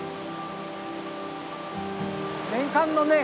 年間のね